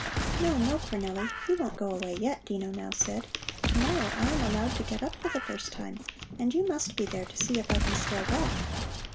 "No, no, Cornelli, you won't go away yet," Dino now said. "To morrow I am allowed to get up for the first time and you must be there to see if I can still walk.